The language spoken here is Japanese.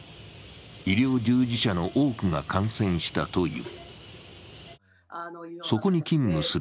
医療従事者の多くが感染したという。